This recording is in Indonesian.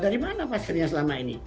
dari mana pasiennya selama ini